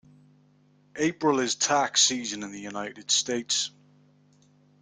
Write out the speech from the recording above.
April is tax season in the United States.